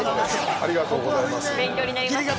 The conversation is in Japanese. ありがとうございます。